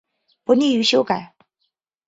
不利于修改